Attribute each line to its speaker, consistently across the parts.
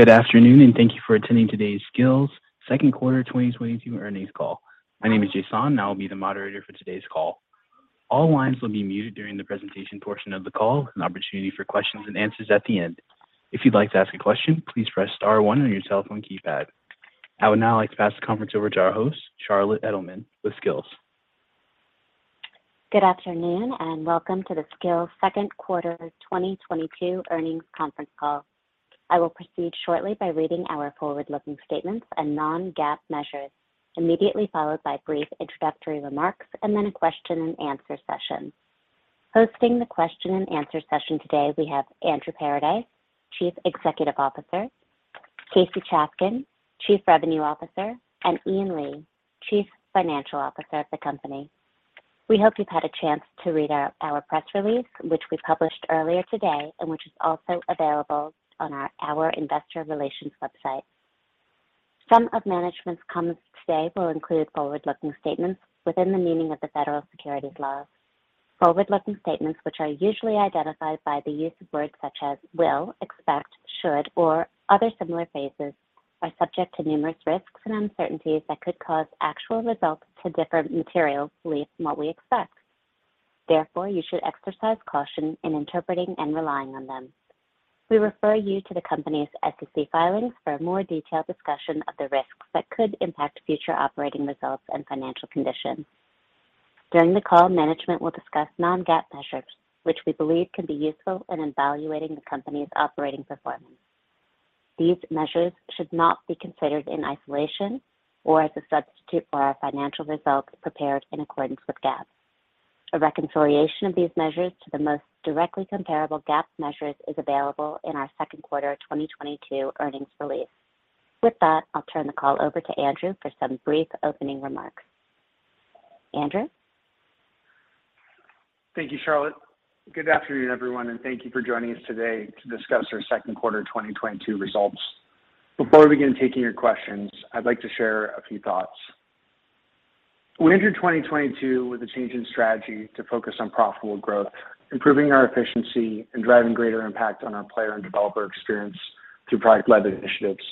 Speaker 1: Good afternoon, and thank you for attending today's Skillz Q2 2022 earnings call. My name is Jason, and I'll be the moderator for today's call. All lines will be muted during the presentation portion of the call. An opportunity for questions and answers at the end. If you'd like to ask a question, please press star one on your cell phone keypad. I would now like to pass the conference over to our host, Charlotte Edelman with Skillz.
Speaker 2: Good afternoon and welcome to the Skillz Q2 2022 earnings conference call. I will proceed shortly by reading our forward-looking statements and non-GAAP measures, immediately followed by brief introductory remarks and then a question and answer session. Hosting the question and answer session today, we have Andrew Paradise, Chief Executive Officer, Casey Chafkin, Chief Revenue Officer, and Ian Lee, Chief Financial Officer of the company. We hope you've had a chance to read our press release, which we published earlier today and which is also available on our investor relations website. Some of management's comments today will include forward-looking statements within the meaning of the federal securities laws. Forward-looking statements, which are usually identified by the use of words such as will, expect, should, or other similar phrases, are subject to numerous risks and uncertainties that could cause actual results to differ materially from what we expect. Therefore, you should exercise caution in interpreting and relying on them. We refer you to the company's SEC filings for a more detailed discussion of the risks that could impact future operating results and financial conditions. During the call, management will discuss non-GAAP measures, which we believe can be useful in evaluating the company's operating performance. These measures should not be considered in isolation or as a substitute for our financial results prepared in accordance with GAAP. A reconciliation of these measures to the most directly comparable GAAP measures is available in our Q2 2022 earnings release. With that, I'll turn the call over to Andrew for some brief opening remarks. Andrew.
Speaker 3: Thank you, Charlotte. Good afternoon, everyone, and thank you for joining us today to discuss our Q2 2022 results. Before we begin taking your questions, I'd like to share a few thoughts. We entered 2022 with a change in strategy to focus on profitable growth, improving our efficiency, and driving greater impact on our player and developer experience through product-led initiatives.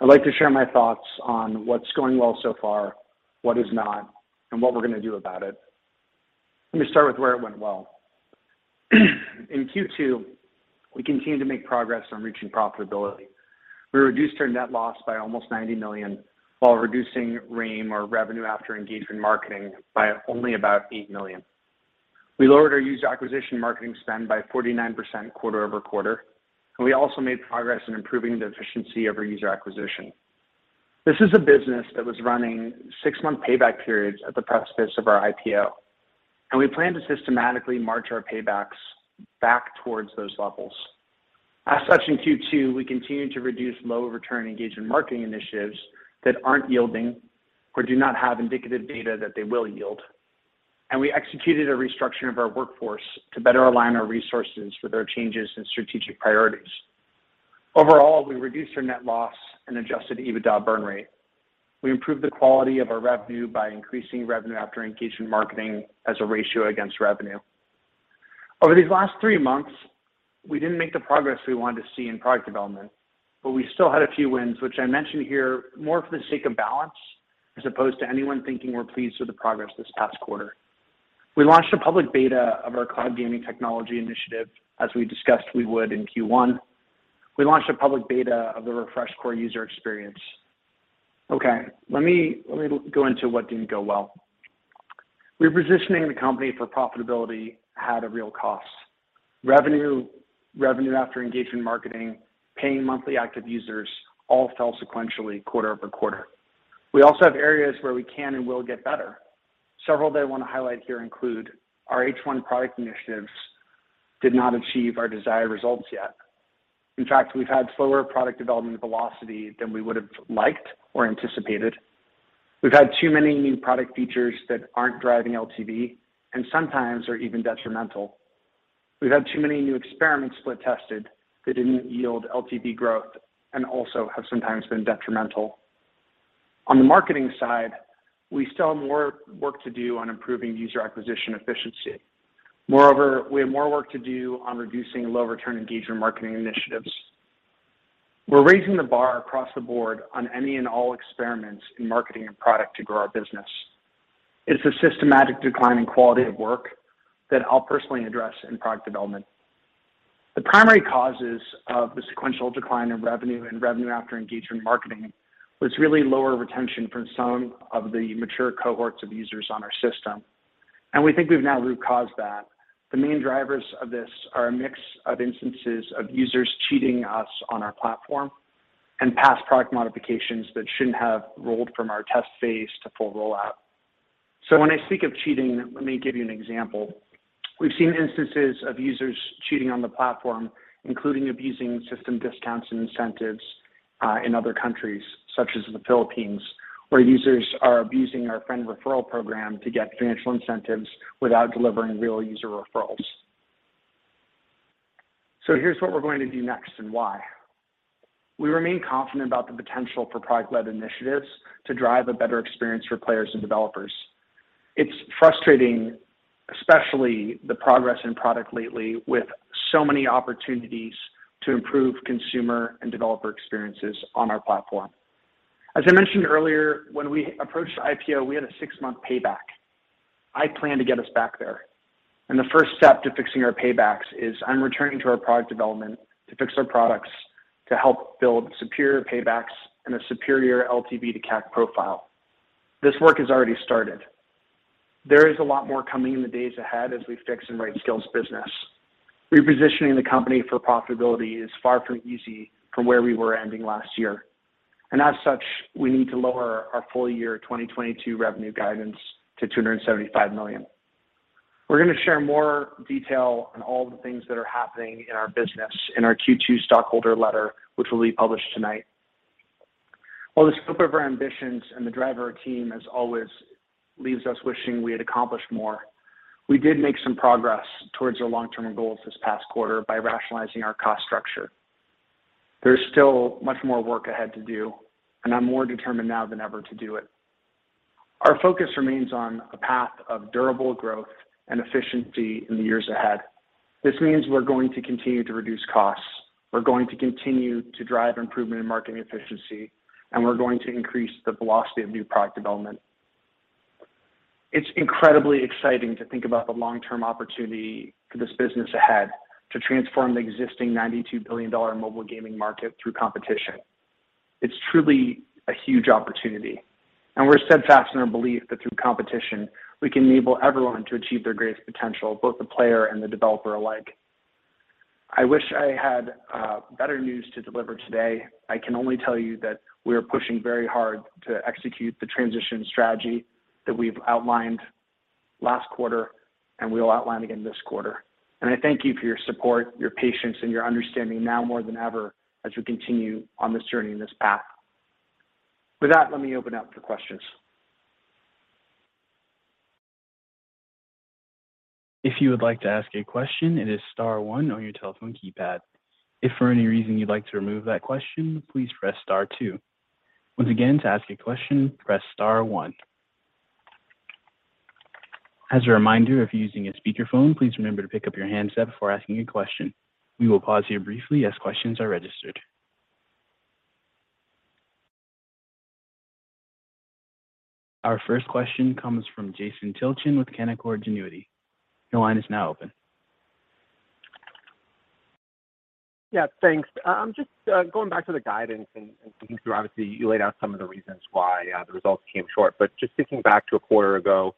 Speaker 3: I'd like to share my thoughts on what's going well so far, what is not, and what we're going to do about it. Let me start with where it went well. In Q2, we continued to make progress on reaching profitability. We reduced our net loss by almost $90 million while reducing RAEM, or revenue after engagement marketing, by only about $8 million. We lowered our user acquisition marketing spend by 49% quarter-over-quarter, and we also made progress in improving the efficiency of our user acquisition. This is a business that was running six-month payback periods at the precipice of our IPO, and we plan to systematically march our paybacks back towards those levels. As such, in Q2, we continued to reduce low-return engagement marketing initiatives that aren't yielding or do not have indicative data that they will yield. We executed a restructuring of our workforce to better align our resources with our changes in strategic priorities. Overall, we reduced our net loss and adjusted EBITDA burn rate. We improved the quality of our revenue by increasing revenue after engagement marketing as a ratio against revenue. Over these last three months, we didn't make the progress we wanted to see in product development, but we still had a few wins, which I mention here more for the sake of balance as opposed to anyone thinking we're pleased with the progress this past quarter. We launched a public beta of our cloud gaming technology initiative, as we discussed we would in Q1. We launched a public beta of the Refresh Core user experience. Okay, let me go into what didn't go well. Repositioning the company for profitability had a real cost. Revenue after engagement marketing, paying monthly active users all fell sequentially quarter-over-quarter. We also have areas where we can and will get better. Several that I want to highlight here include our H1 product initiatives did not achieve our desired results yet. In fact, we've had slower product development velocity than we would have liked or anticipated. We've had too many new product features that aren't driving LTV and sometimes are even detrimental. We've had too many new experiments split tested that didn't yield LTV growth and also have sometimes been detrimental. On the marketing side, we still have more work to do on improving user acquisition efficiency. Moreover, we have more work to do on reducing low-return engagement marketing initiatives. We're raising the bar across the board on any and all experiments in marketing and product to grow our business. It's a systematic decline in quality of work that I'll personally address in product development. The primary causes of the sequential decline in revenue and revenue after engagement marketing was really lower retention from some of the mature cohorts of users on our system, and we think we've now root caused that. The main drivers of this are a mix of instances of users cheating us on our platform and past product modifications that shouldn't have rolled from our test phase to full rollout. When I speak of cheating, let me give you an example. We've seen instances of users cheating on the platform, including abusing system discounts and incentives, in other countries, such as the Philippines, where users are abusing our friend referral program to get financial incentives without delivering real user referrals. Here's what we're going to do next and why. We remain confident about the potential for product-led initiatives to drive a better experience for players and developers. It's frustrating, especially the progress in product lately, with so many opportunities to improve consumer and developer experiences on our platform. As I mentioned earlier, when we approached IPO, we had a six-month payback. I plan to get us back there. The first step to fixing our paybacks is I'm returning to our product development to fix our products to help build superior paybacks and a superior LTV to CAC profile. This work has already started. There is a lot more coming in the days ahead as we fix and right Skillz business. Repositioning the company for profitability is far from easy from where we were ending last year. As such, we need to lower our full-year 2022 revenue guidance to $275 million. We're going to share more detail on all the things that are happening in our business in our Q2 stockholder letter, which will be published tonight. While the scope of our ambitions and the drive of our team as always leaves us wishing we had accomplished more, we did make some progress towards our long-term goals this past quarter by rationalizing our cost structure. There's still much more work ahead to do, and I'm more determined now than ever to do it. Our focus remains on a path of durable growth and efficiency in the years ahead. This means we're going to continue to reduce costs. We're going to continue to drive improvement in marketing efficiency, and we're going to increase the velocity of new product development. It's incredibly exciting to think about the long-term opportunity for this business ahead to transform the existing $92 billion mobile gaming market through competition. It's truly a huge opportunity, and we're steadfast in our belief that through competition, we can enable everyone to achieve their greatest potential, both the player and the developer alike. I wish I had better news to deliver today. I can only tell you that we are pushing very hard to execute the transition strategy that we've outlined last quarter, and we'll outline again this quarter. I thank you for your support, your patience, and your understanding now more than ever as we continue on this journey and this path. With that, let me open up for questions.
Speaker 1: If you would like to ask a question, it is star one on your telephone keypad. If for any reason you'd like to remove that question, please press star two. Once again, to ask a question, press star one. As a reminder, if you're using a speakerphone, please remember to pick up your handset before asking a question. We will pause here briefly as questions are registered. Our first question comes from Jason Tilchen with Canaccord Genuity. Your line is now open.
Speaker 4: Yeah, thanks. I'm just going back to the guidance and thinking through. Obviously, you laid out some of the reasons why the results came short. Just thinking back to a quarter ago,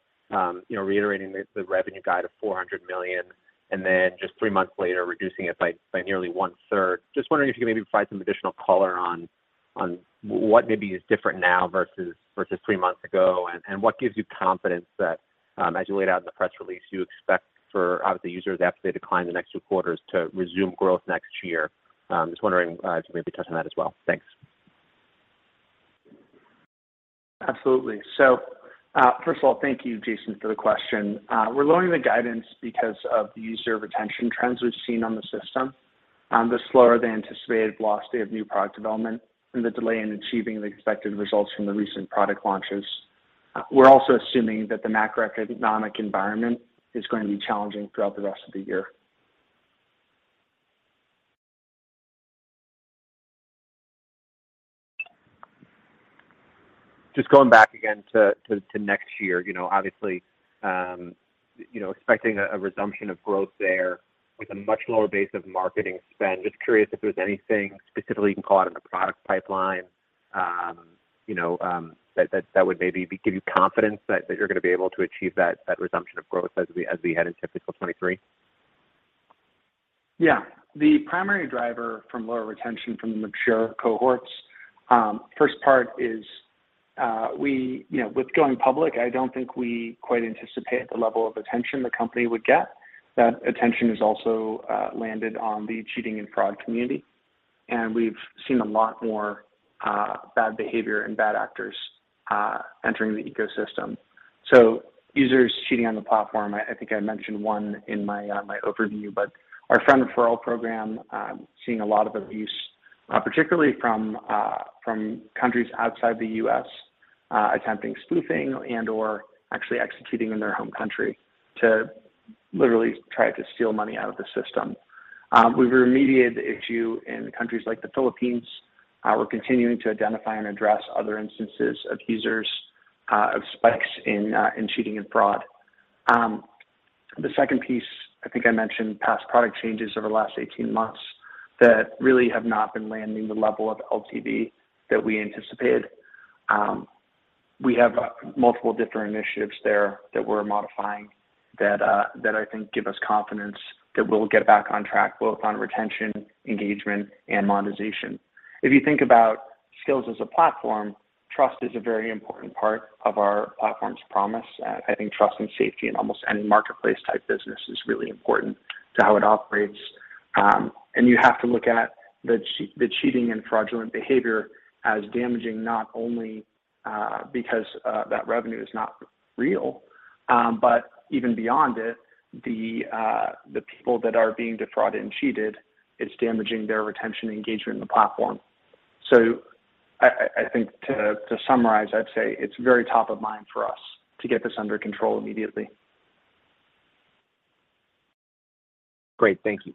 Speaker 4: you know, reiterating the revenue guide of $400 million, and then just three months later, reducing it by nearly one-third. Just wondering if you can maybe provide some additional color on what maybe is different now versus three months ago, and what gives you confidence that, as you laid out in the press release, you expect for DAU user obviously to decline in the next two quarters to resume growth next year. Just wondering if you maybe touch on that as well. Thanks.
Speaker 3: Absolutely. First of all, thank you, Jason, for the question. We're lowering the guidance because of the user retention trends we've seen on the system, the slower-than-anticipated velocity of new product development, and the delay in achieving the expected results from the recent product launches. We're also assuming that the macroeconomic environment is going to be challenging throughout the rest of the year.
Speaker 4: Just going back again to next year. You know, obviously, you know, expecting a resumption of growth there with a much lower base of marketing spend. Just curious if there's anything specifically you can call out in the product pipeline, you know, that would maybe give you confidence that you're going to be able to achieve that resumption of growth as we head into fiscal 2023.
Speaker 3: Yeah. The primary driver from lower retention from the mature cohorts, first part is, you know, with going public, I don't think we quite anticipate the level of attention the company would get. That attention has also landed on the cheating and fraud community, and we've seen a lot more bad behavior and bad actors entering the ecosystem. Users cheating on the platform, I think I mentioned one in my overview. Our friend referral program, seeing a lot of abuse, particularly from countries outside the U.S., attempting spoofing and/or actually executing in their home country to literally try to steal money out of the system. We've remediated the issue in countries like the Philippines. We're continuing to identify and address other instances of spikes in cheating and fraud. The second piece, I think I mentioned past product changes over the last 18 months that really have not been landing the level of LTV that we anticipated. We have multiple different initiatives there that we're modifying that I think give us confidence that we'll get back on track, both on retention, engagement, and monetization. If you think about Skillz as a platform, trust is a very important part of our platform's promise. I think trust and safety in almost any marketplace-type business is really important to how it operates. You have to look at the cheating and fraudulent behavior as damaging, not only because that revenue is not real, but even beyond it, the people that are being defrauded and cheated. It's damaging their retention engagement in the platform. I think to summarize, I'd say it's very top of mind for us to get this under control immediately.
Speaker 4: Great. Thank you.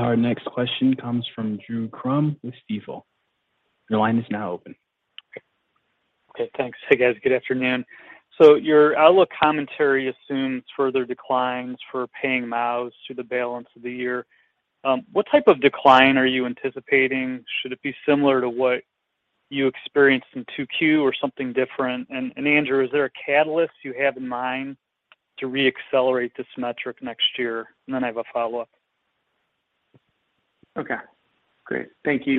Speaker 1: Our next question comes from Drew Crum with Stifel. Your line is now open.
Speaker 5: Okay. Thanks. Hey, guys. Good afternoon. Your outlook commentary assumes further declines for paying MAUs through the balance of the year. What type of decline are you anticipating? Should it be similar to what you experienced in Q2 or something different? Andrew, is there a catalyst you have in mind to re-accelerate this metric next year? Then I have a follow-up.
Speaker 3: Okay, great. Thank you,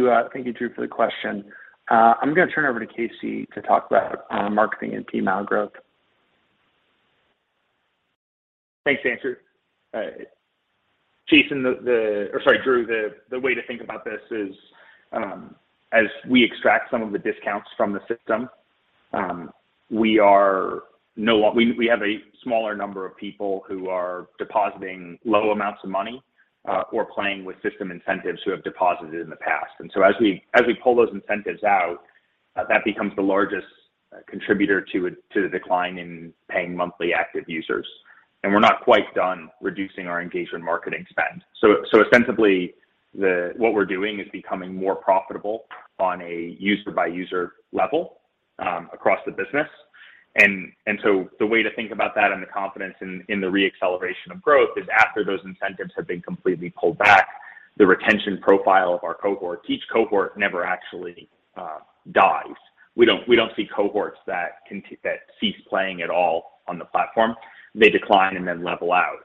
Speaker 3: Drew, for the question. I'm gonna turn over to Casey to talk about marketing and PMAU growth.
Speaker 6: Thanks, Andrew. Jason, or sorry, Drew, the way to think about this is, as we extract some of the discounts from the system, we have a smaller number of people who are depositing low amounts of money, or playing with system incentives who have deposited in the past. As we pull those incentives out, that becomes the largest contributor to the decline in paying monthly active users. We're not quite done reducing our engagement marketing spend. Ostensibly, what we're doing is becoming more profitable on a user-by-user level, across the business. The way to think about that and the confidence in the re-acceleration of growth is after those incentives have been completely pulled back, the retention profile of our cohort. Each cohort never actually dies. We don't see cohorts that cease playing at all on the platform. They decline and then level out.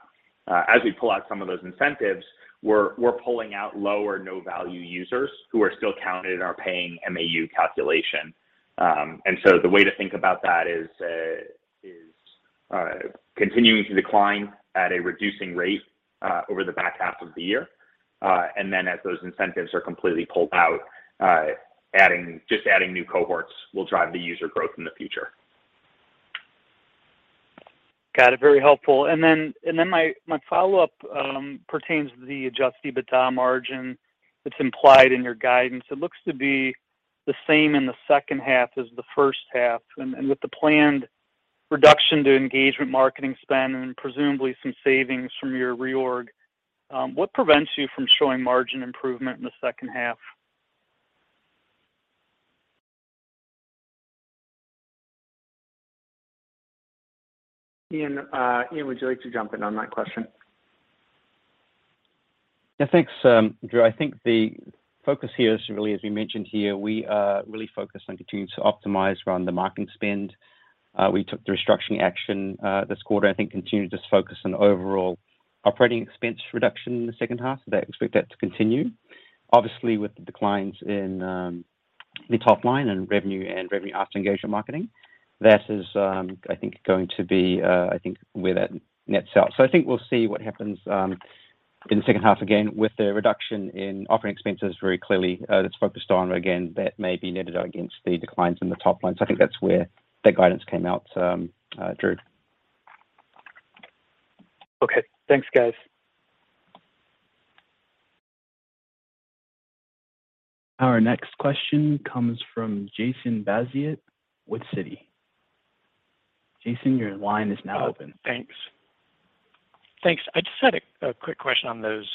Speaker 6: As we pull out some of those incentives, we're pulling out low or no value users who are still counted in our paying MAU calculation. The way to think about that is continuing to decline at a reducing rate over the back half of the year. As those incentives are completely pulled out, adding new cohorts will drive the user growth in the future.
Speaker 5: Got it. Very helpful. My follow-up pertains to the adjusted EBITDA margin that's implied in your guidance. It looks to be the same in the H2 as the H1. With the planned reduction to engagement marketing spend and presumably some savings from your reorg, what prevents you from showing margin improvement in the H2?
Speaker 3: Ian, would you like to jump in on that question?
Speaker 7: Yeah. Thanks, Drew. I think the focus here is really, as we mentioned here, we are really focused on continuing to optimize around the marketing spend. We took the restructuring action, this quarter, I think continued to focus on overall operating expense reduction in the H2. I expect that to continue. Obviously, with the declines in, the top line and revenue and revenue after engagement marketing, that is, I think, going to be, I think where that nets out. I think we'll see what happens, in the H2 again with the reduction in operating expenses very clearly, that's focused on. Again, that may be netted out against the declines in the top line. I think that's where that guidance came out, Drew.
Speaker 5: Okay. Thanks, guys.
Speaker 1: Our next question comes from Jason Bazinet with Citi. Jason, your line is now open.
Speaker 8: Thanks. I just had a quick question on those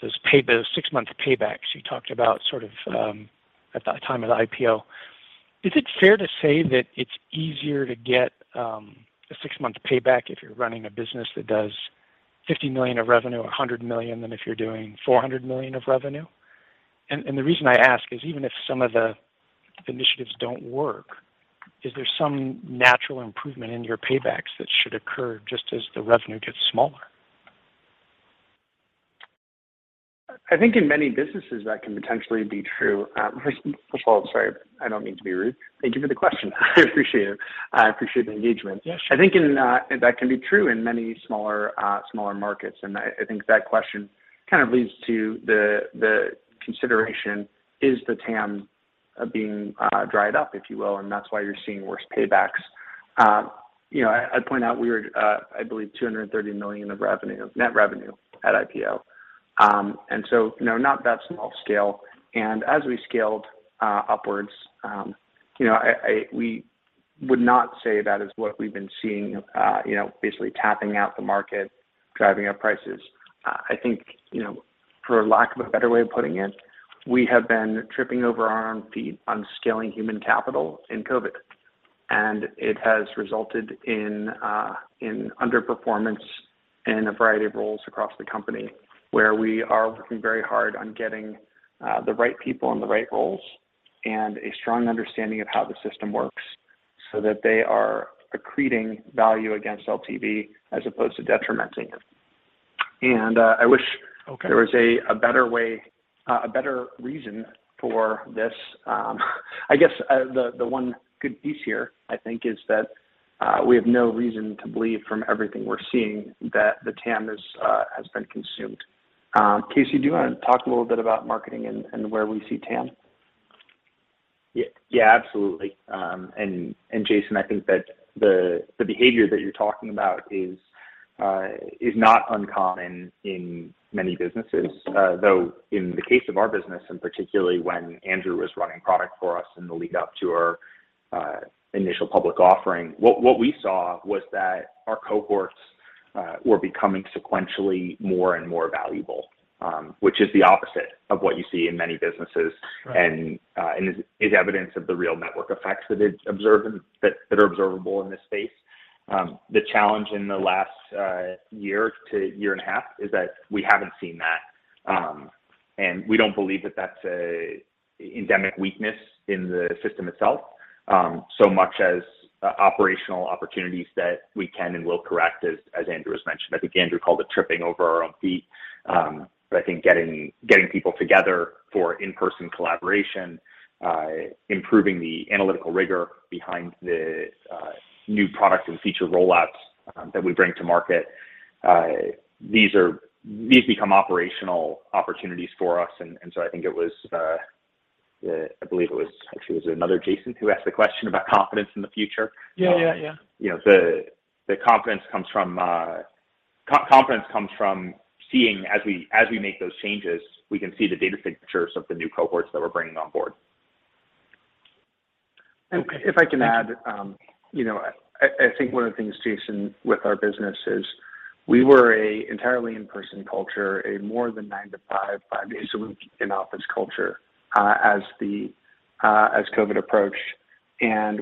Speaker 8: six-month paybacks you talked about sort of at the time of the IPO. Is it fair to say that it's easier to get a six-month payback if you're running a business that does $50 million of revenue or $100 million than if you're doing $400 million of revenue? The reason I ask is, even if some of the initiatives don't work, is there some natural improvement in your paybacks that should occur just as the revenue gets smaller?
Speaker 3: I think in many businesses, that can potentially be true. First of all, sorry, I don't mean to be rude. Thank you for the question. I appreciate it. I appreciate the engagement.
Speaker 8: Yeah, sure. I think that can be true in many smaller markets. I think that question kind of leads to the consideration, is the TAM being dried up, if you will, and that's why you're seeing worse paybacks. You know, I'd point out we were, I believe, $230 million of net revenue at IPO. You know, not that small scale. As we scaled upwards, you know, we would not say that is what we've been seeing, you know, basically tapping out the market, driving up prices.
Speaker 3: I think, you know, for lack of a better way of putting it, we have been tripping over our own feet on scaling human capital in COVID, and it has resulted in underperformance in a variety of roles across the company, where we are working very hard on getting the right people in the right roles and a strong understanding of how the system works so that they are accreting value against LTV as opposed to detrimenting it. I wish.
Speaker 9: Okay.
Speaker 3: There was a better way, a better reason for this. I guess the one good piece here, I think, is that we have no reason to believe from everything we're seeing that the TAM has been consumed. Casey, do you wanna talk a little bit about marketing and where we see TAM?
Speaker 6: Yeah, yeah, absolutely. And Jason, I think that the behavior that you're talking about is not uncommon in many businesses. Though in the case of our business, and particularly when Andrew was running product for us in the lead up to our initial public offering, what we saw was that our cohorts were becoming sequentially more and more valuable, which is the opposite of what you see in many businesses.
Speaker 3: Right.
Speaker 6: Is evidence of the real network effects that is observed and that are observable in this space. The challenge in the last year-to-year and a half is that we haven't seen that, and we don't believe that that's an endemic weakness in the system itself, so much as operational opportunities that we can and will correct as Andrew has mentioned. I think Andrew called it tripping over our own feet. I think getting people together for in-person collaboration, improving the analytical rigor behind the new product and feature roll-outs that we bring to market, these become operational opportunities for us. I think it was the I believe it was actually, was it another Jason who asked the question about confidence in the future?
Speaker 3: Yeah. Yeah. Yeah.
Speaker 6: You know, the confidence comes from seeing as we make those changes, we can see the data signatures of the new cohorts that we're bringing on board.
Speaker 3: If I can add, you know, I think one of the things, Jason, with our business is we were an entirely in-person culture, a more than nine-to-five, five days a week in office culture, as COVID approached.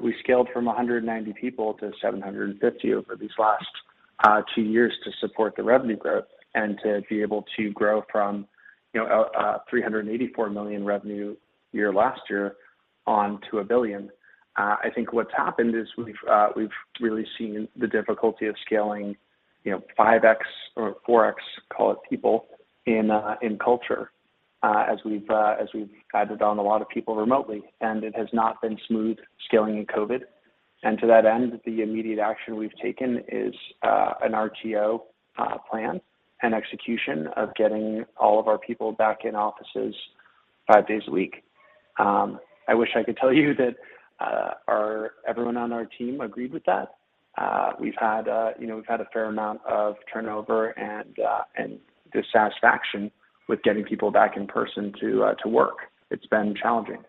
Speaker 3: We scaled from 190 people to 750 over these last two years to support the revenue growth and to be able to grow from, you know, a $384 million revenue year last year on to $1 billion. I think what's happened is we've really seen the difficulty of scaling, you know, 5x or 4x, call it, people in culture, as we've added on a lot of people remotely, and it has not been smooth scaling in COVID. To that end, the immediate action we've taken is an RTO plan and execution of getting all of our people back in offices five days a week. I wish I could tell you that everyone on our team agreed with that. You know, we've had a fair amount of turnover and dissatisfaction with getting people back in person to work. It's been challenging.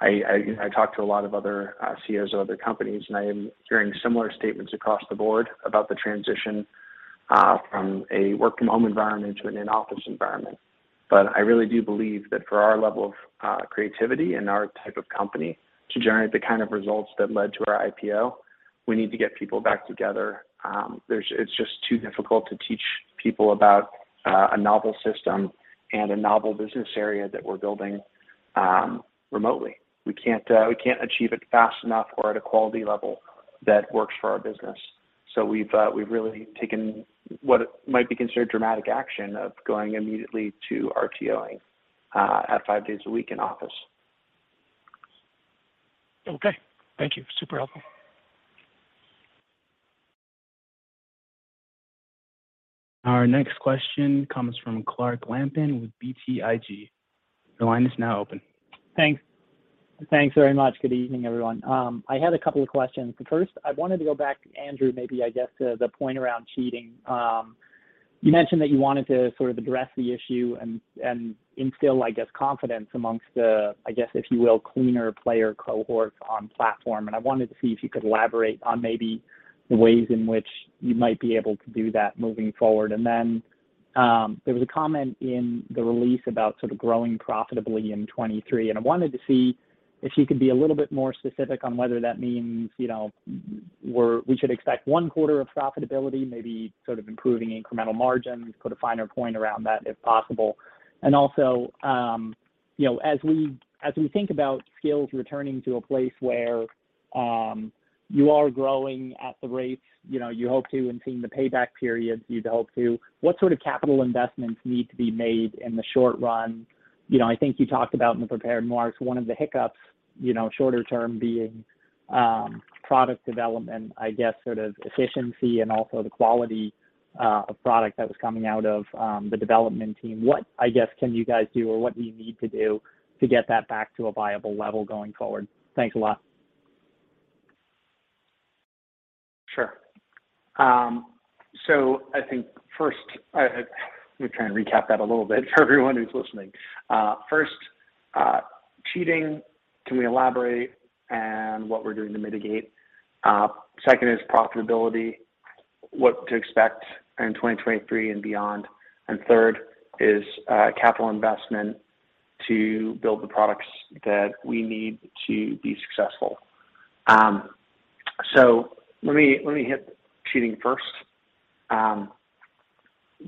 Speaker 3: I talked to a lot of other CEOs of other companies, and I am hearing similar statements across the board about the transition from a work from home environment to an in-office environment. I really do believe that for our level of creativity and our type of company to generate the kind of results that led to our IPO, we need to get people back together. It's just too difficult to teach people about a novel system and a novel business area that we're building remotely. We can't achieve it fast enough or at a quality level that works for our business. We've really taken what might be considered dramatic action of going immediately to RTO-ing at five days a week in office. Okay. Thank you. Super helpful.
Speaker 1: Our next question comes from Clark Lampen with BTIG. Your line is now open.
Speaker 10: Thanks. Thanks very much. Good evening, everyone. I had a couple of questions. First, I wanted to go back, Andrew, maybe I guess to the point around cheating. You mentioned that you wanted to sort of address the issue and instill, I guess, confidence amongst the, I guess, if you will, cleaner player cohorts on platform, and I wanted to see if you could elaborate on maybe the ways in which you might be able to do that moving forward. Then, there was a comment in the release about sort of growing profitably in 2023, and I wanted to see if you could be a little bit more specific on whether that means, you know, we should expect one quarter of profitability, maybe sort of improving incremental margins. Put a finer point around that, if possible. Also, you know, as we think about Skillz returning to a place where you are growing at the rates, you know, you hope to and seeing the payback periods you'd hope to, what sort of capital investments need to be made in the short run? You know, I think you talked about in the prepared remarks one of the hiccups, you know, shorter term being product development, I guess sort of efficiency and also the quality of product that was coming out of the development team. What, I guess, can you guys do or what do you need to do to get that back to a viable level going forward? Thanks a lot.
Speaker 3: Sure. I think first, let me try and recap that a little bit for everyone who's listening. First, cheating, can we elaborate on what we're doing to mitigate? Second is profitability, what to expect in 2023 and beyond. Third is capital investment to build the products that we need to be successful. Let me hit cheating first.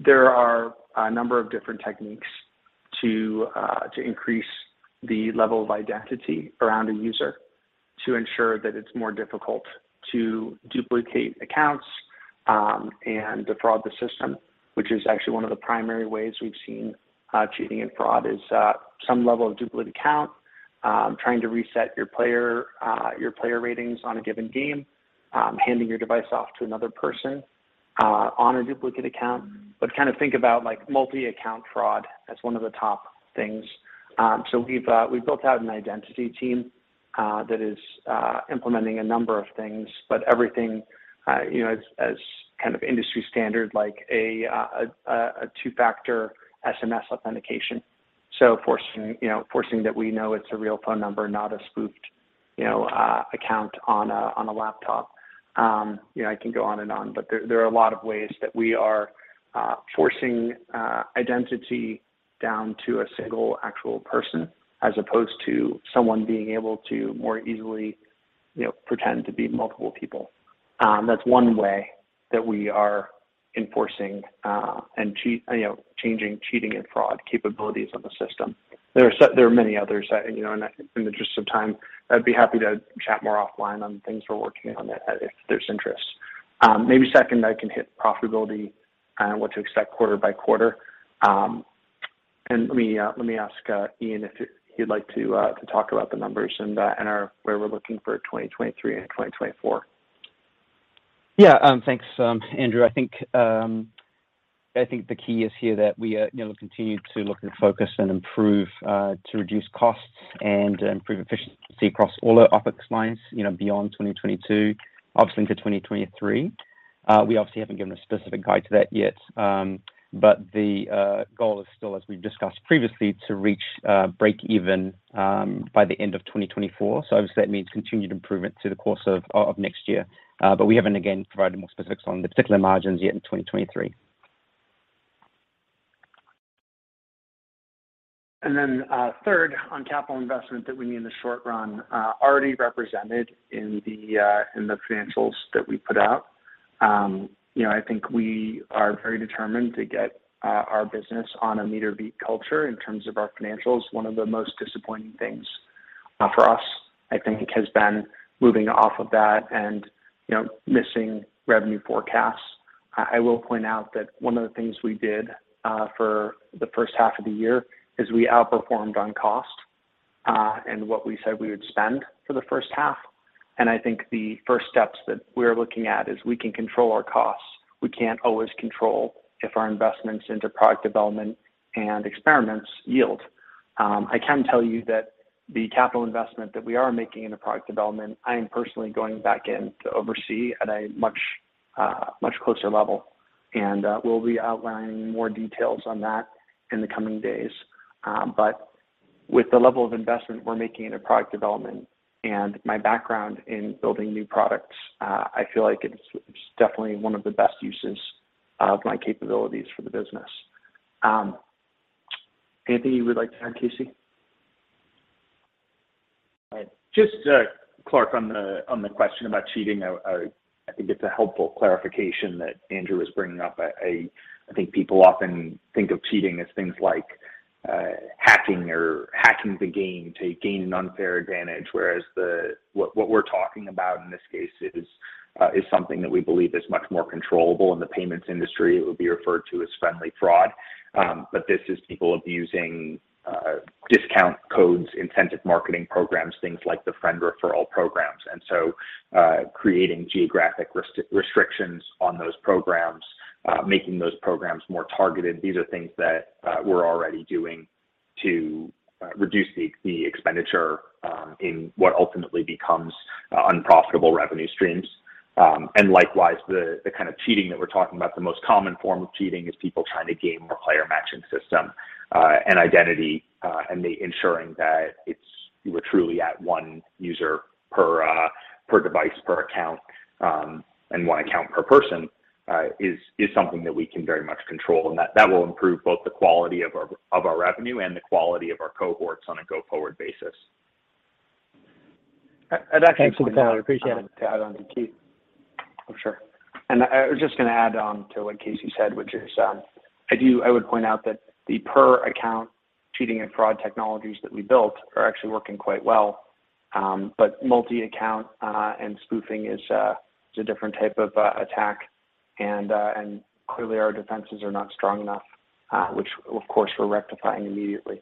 Speaker 3: There are a number of different techniques to increase the level of identity around a user to ensure that it's more difficult to duplicate accounts and defraud the system, which is actually one of the primary ways we've seen cheating and fraud is some level of duplicate account trying to reset your player ratings on a given game, handing your device off to another person on a duplicate account. Kind of think about, like, multi-account fraud as one of the top things. We've built out an identity team that is implementing a number of things, but everything, you know, as kind of industry standard, like a two-factor SMS authentication. Forcing that we know it's a real phone number, not a spoofed, you know, account on a laptop. You know, I can go on and on, but there are a lot of ways that we are forcing identity down to a single actual person as opposed to someone being able to more easily, you know, pretend to be multiple people. That's one way that we are enforcing, you know, changing cheating and fraud capabilities on the system. There are many others. You know, in the interest of time, I'd be happy to chat more offline on things we're working on if there's interest. Maybe second, I can hit profitability, what to expect quarter-by-quarter. Let me ask Ian if you'd like to talk about the numbers and where we're looking for 2023 and 2024.
Speaker 7: Yeah. Thanks, Andrew. I think the key is here that we, you know, continue to look and focus and improve to reduce costs and improve efficiency across all our OpEx lines, you know, beyond 2022, obviously into 2023. We obviously haven't given a specific guide to that yet, but the goal is still, as we've discussed previously, to reach breakeven by the end of 2024. Obviously, that means continued improvement through the course of next year. But we haven't again provided more specifics on the particular margins yet in 2023.
Speaker 3: Third, on capital investment that we need in the short run, already represented in the financials that we put out. You know, I think we are very determined to get our business on a meet or beat culture in terms of our financials. One of the most disappointing things for us, I think has been moving off of that and, you know, missing revenue forecasts. I will point out that one of the things we did for the H1 of the year is we outperformed on cost and what we said we would spend for the H1. I think the first steps that we're looking at is we can control our costs. We can't always control if our investments into product development and experiments yield. I can tell you that the capital investment that we are making into product development. I am personally going back in to oversee at a much closer level. We'll be outlining more details on that in the coming days. With the level of investment we're making into product development and my background in building new products, I feel like it's definitely one of the best uses of my capabilities for the business. Anything you would like to add, Casey?
Speaker 6: Just, Clark, on the question about cheating, I think it's a helpful clarification that Andrew is bringing up. I think people often think of cheating as things like hacking the game to gain an unfair advantage, whereas what we're talking about in this case is something that we believe is much more controllable in the payments industry. It would be referred to as friendly fraud. This is people abusing discount codes, incentive marketing programs, things like the friend referral programs. Creating geographic restrictions on those programs, making those programs more targeted. These are things that we're already doing to reduce the expenditure in what ultimately becomes unprofitable revenue streams. Likewise, the kind of cheating that we're talking about, the most common form of cheating is people trying to game our player matching system, and identity, and we're truly at one user per device, per account, and one account per person, is something that we can very much control. That will improve both the quality of our revenue and the quality of our cohorts on a go-forward basis.
Speaker 3: I'd actually-
Speaker 10: Thanks for the time. I appreciate it.
Speaker 3: To add on to Casey. For sure. I was just gonna add on to what Casey said, which is, I would point out that the per account cheating and fraud technologies that we built are actually working quite well. Multi-account and spoofing is a different type of attack. Clearly our defenses are not strong enough, which of course we're rectifying immediately.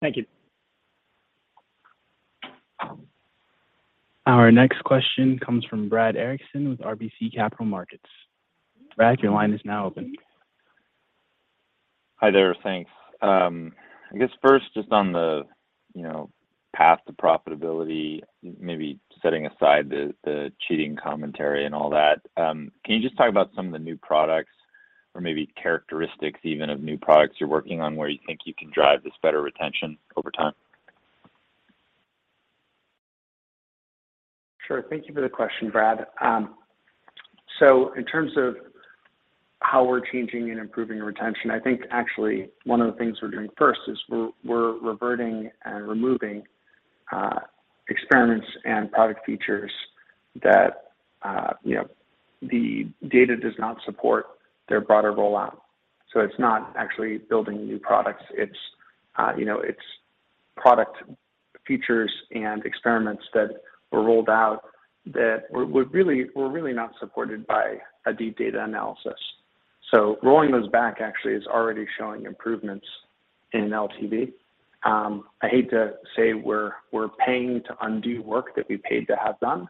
Speaker 10: Thank you.
Speaker 1: Our next question comes from Brad Erickson with RBC Capital Markets. Brad, your line is now open.
Speaker 11: Hi there. Thanks. I guess first, just on the, you know, path to profitability, maybe setting aside the cheating commentary and all that, can you just talk about some of the new products or maybe characteristics even of new products you're working on where you think you can drive this better retention over time?
Speaker 3: Sure. Thank you for the question, Brad. In terms of how we're changing and improving retention, I think actually one of the things we're doing first is we're reverting and removing experiments and product features that you know, the data does not support their broader rollout. It's not actually building new products. It's you know, it's product features and experiments that were rolled out that we're really not supported by a deep data analysis. Rolling those back actually is already showing improvements in LTV. I hate to say we're paying to undo work that we paid to have done,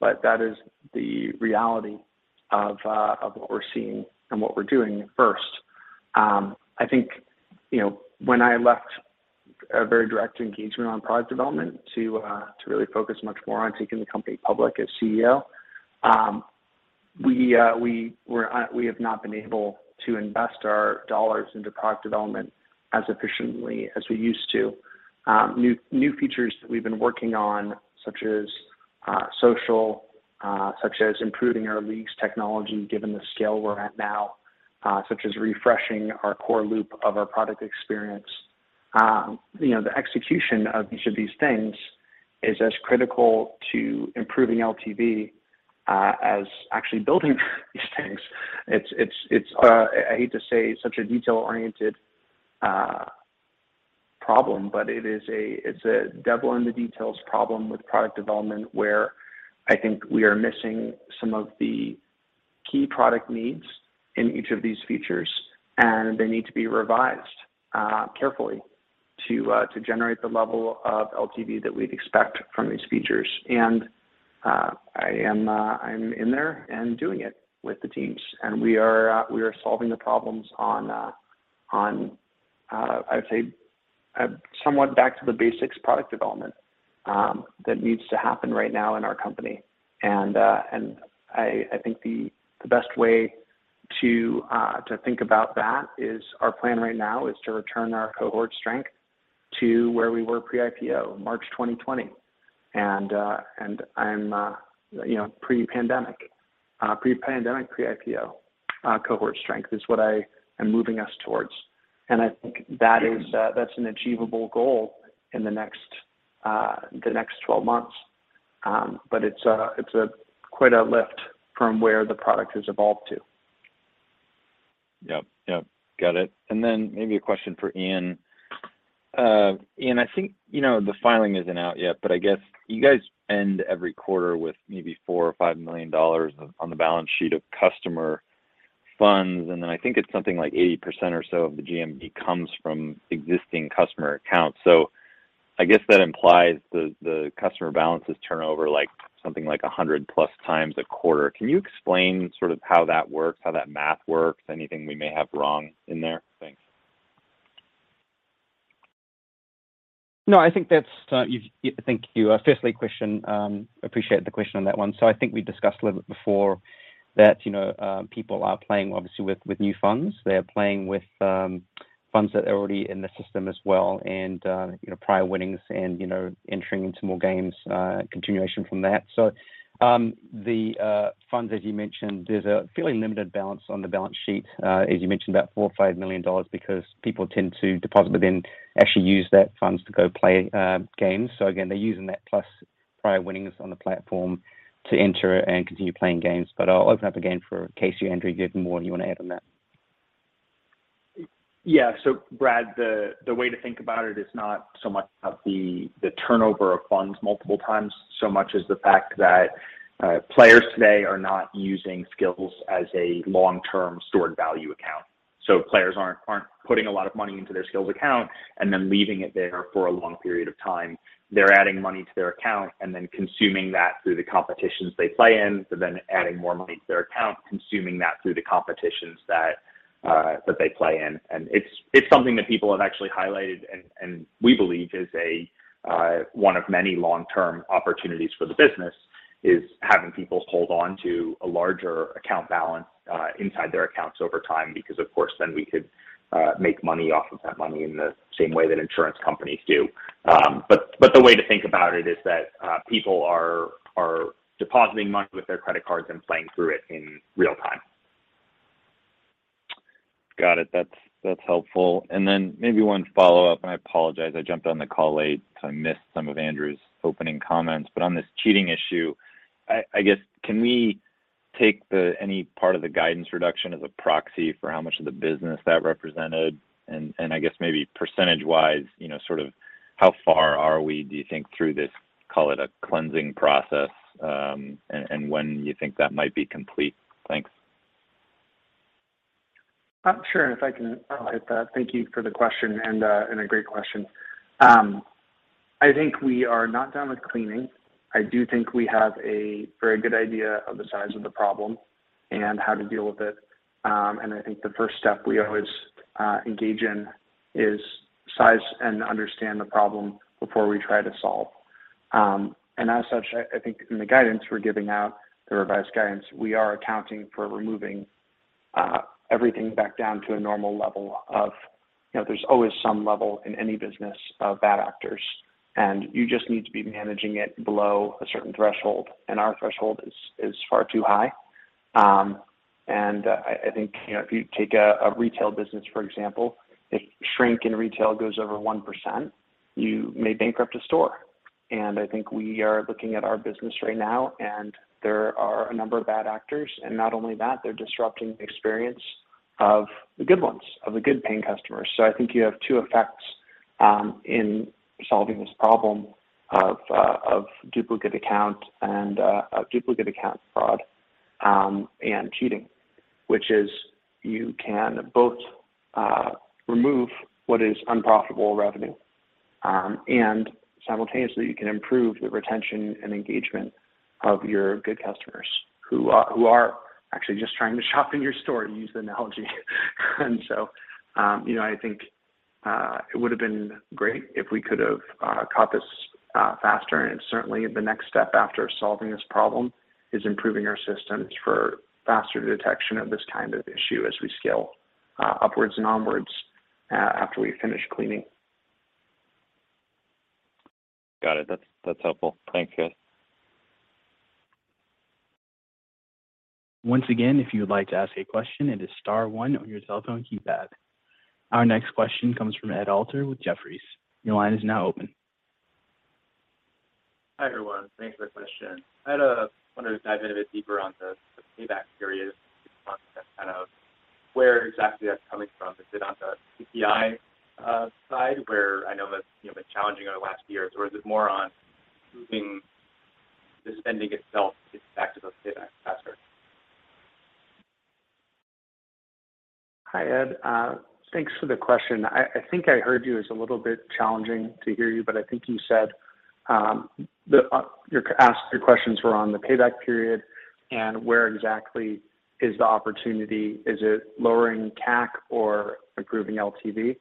Speaker 3: but that is the reality of what we're seeing from what we're doing first. I think, you know, when I left a very direct engagement on product development to really focus much more on taking the company public as CEO, we have not been able to invest our dollars into product development as efficiently as we used to. New features that we've been working on, such as improving our leagues technology, given the scale we're at now, such as refreshing our core loop of our product experience. You know, the execution of each of these things is as critical to improving LTV as actually building these things. It's a detail-oriented problem, but it is a devil in the details problem with product development where I think we are missing some of the key product needs in each of these features, and they need to be revised carefully to generate the level of LTV that we'd expect from these features. I'm in there and doing it with the teams, and we are solving the problems on a somewhat back to the basics product development that needs to happen right now in our company. I think the best way to think about that is our plan right now is to return our cohort strength to where we were pre-IPO, March 2020. I'm you know pre-pandemic. Pre-pandemic, pre-IPO, cohort strength is what I am moving us towards. I think that is, that's an achievable goal in the next 12 months. It's quite a lift from where the product has evolved to.
Speaker 11: Yep. Yep. Got it. Maybe a question for Ian. Ian, I think, you know, the filing isn't out yet, but I guess you guys end every quarter with maybe $4 million or $5 million on the balance sheet of customer funds, and then I think it's something like 80% or so of the GMV comes from existing customer accounts. I guess that implies the customer balances turnover like something like +100x a quarter. Can you explain sort of how that works, how that math works? Anything we may have wrong in there? Thanks.
Speaker 7: No, I think that's, thank you. First question, appreciate the question on that one. I think we discussed a little bit before that, you know, people are playing obviously with new funds. They are playing with funds that are already in the system as well and, you know, prior winnings and, you know, entering into more games, continuation from that. The funds, as you mentioned, there's a fairly limited balance on the balance sheet, as you mentioned, about $4 million or $5 million because people tend to deposit, but then actually use those funds to go play games. Again, they're using that plus prior winnings on the platform to enter and continue playing games. I'll open up again for Casey or Andrew, if there's more you want to add on that.
Speaker 3: Yeah, Brad, the way to think about it is not so much of the turnover of funds multiple times, so much as the fact that players today are not using Skillz as a long-term stored value account. Players aren't putting a lot of money into their Skillz account and then leaving it there for a long period of time. They're adding money to their account and then consuming that through the competitions they play in, so then adding more money to their account, consuming that through the competitions that they play in. It's something that people have actually highlighted and we believe is a one of many long-term opportunities for the business is having people hold on to a larger account balance inside their accounts over time because of course then we could make money off of that money in the same way that insurance companies do. But the way to think about it is that people are depositing money with their credit cards and playing through it in real time.
Speaker 11: Got it. That's helpful. Then maybe one follow-up, and I apologize, I jumped on the call late, so I missed some of Andrew's opening comments. On this cheating issue, I guess can we take any part of the guidance reduction as a proxy for how much of the business that represented? I guess maybe percentage-wise, you know, sort of how far are we, do you think, through this, call it a cleansing process, and when you think that might be complete? Thanks.
Speaker 3: Sure. If I can hit that. Thank you for the question and a great question. I think we are not done with cleaning. I do think we have a very good idea of the size of the problem and how to deal with it. I think the first step we always engage in is size and understand the problem before we try to solve. As such, I think in the guidance we're giving out, the revised guidance, we are accounting for removing everything back down to a normal level of, you know, there's always some level in any business of bad actors, and you just need to be managing it below a certain threshold, and our threshold is far too high. I think if you take a retail business, for example, if shrink in retail goes over 1%, you may bankrupt a store. I think we are looking at our business right now, and there are a number of bad actors. Not only that, they're disrupting the experience of the good ones, of the good paying customers. I think you have two effects. In solving this problem of duplicate account fraud and cheating, which is you can both remove what is unprofitable revenue and simultaneously, you can improve the retention and engagement of your good customers who are actually just trying to shop in your store, to use the analogy. You know, I think it would have been great if we could have caught this faster. Certainly the next step after solving this problem is improving our systems for faster detection of this kind of issue as we scale upwards and onwards after we finish cleaning
Speaker 11: Got it. That's helpful. Thank you.
Speaker 1: Once again, if you would like to ask a question, it is star one on your telephone keypad. Our next question comes from Ed Alter with Jefferies. Your line is now open.
Speaker 12: Hi, everyone. Thanks for the question. I wanted to dive in a bit deeper on the payback period and kind of where exactly that's coming from. Is it on the CPI side where I know that's, you know, been challenging over the last years, or is it more on improving the spending itself to get back to the payback faster?
Speaker 3: Hi, Ed. Thanks for the question. I think I heard you. It's a little bit challenging to hear you, but I think you said your questions were on the payback period and where exactly is the opportunity. Is it lowering CAC or improving LTV,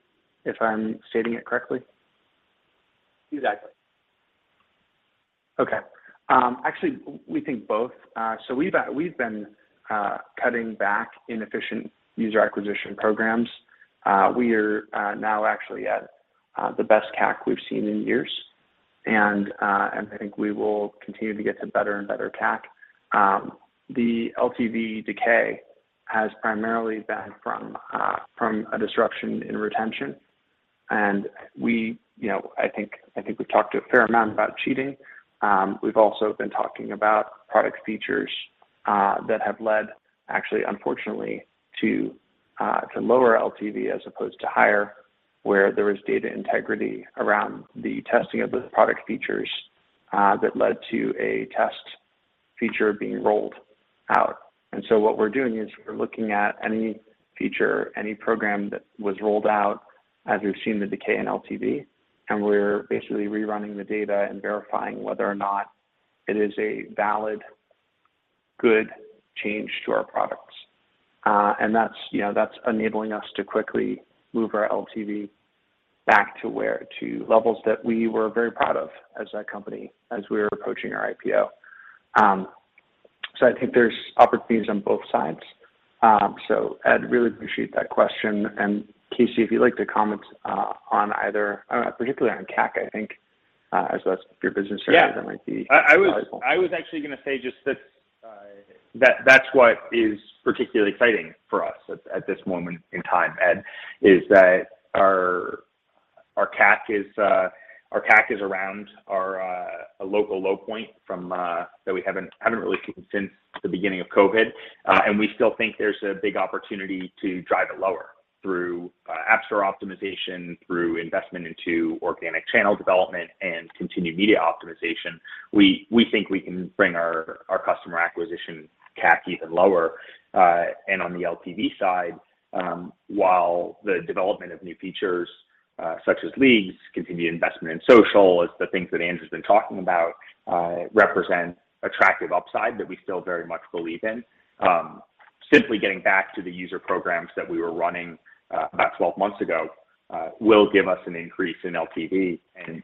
Speaker 3: if I'm stating it correctly?
Speaker 12: Exactly.
Speaker 3: Okay. Actually we think both. We've been cutting back inefficient user acquisition programs. We are now actually at the best CAC we've seen in years, and I think we will continue to get to better and better CAC. The LTV decay has primarily been from a disruption in retention. We, you know, I think we've talked a fair amount about cheating. We've also been talking about product features that have led actually unfortunately to lower LTV as opposed to higher, where there was data integrity around the testing of those product features that led to a test feature being rolled out. what we're doing is we're looking at any feature, any program that was rolled out as we've seen the decay in LTV, and we're basically rerunning the data and verifying whether or not it is a valid, good change to our products. that's, you know, that's enabling us to quickly move our LTV back to levels that we were very proud of as a company as we were approaching our IPO. I think there's opportunities on both sides. Ed, really appreciate that question. Casey, if you'd like to comment on either, particularly on CAC, I think, as that's your business area-
Speaker 6: Yeah.
Speaker 3: That might be valuable.
Speaker 6: I was actually gonna say just that's what is particularly exciting for us at this moment in time, Ed, is that our CAC is around a local low point from that we haven't really seen since the beginning of COVID. We still think there's a big opportunity to drive it lower through app store optimization, through investment into organic channel development and continued media optimization. We think we can bring our customer acquisition CAC even lower. On the LTV side, while the development of new features, such as leagues, continued investment in social as the things that Andrew's been talking about, represent attractive upside that we still very much believe in. Simply getting back to the user programs that we were running about 12 months ago will give us an increase in LTV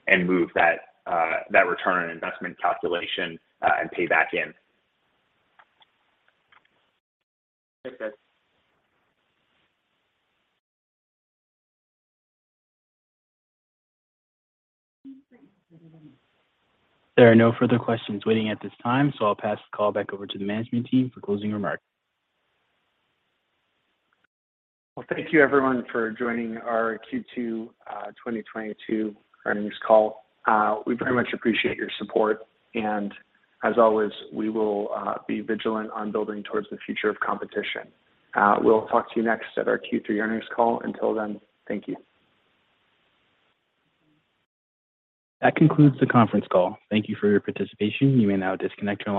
Speaker 6: and move that return on investment calculation and pay back in.
Speaker 12: Thanks, guys.
Speaker 1: There are no further questions waiting at this time, so I'll pass the call back over to the management team for closing remarks.
Speaker 3: Well, thank you everyone for joining our Q2 2022 earnings call. We very much appreciate your support and as always, we will be vigilant on building towards the future of competition. We'll talk to you next at our Q3 earnings call. Until then, thank you.
Speaker 1: That concludes the conference call. Thank you for your participation. You may now disconnect your line.